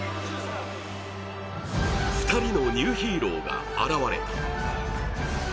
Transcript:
２人のニューヒーローが現れた。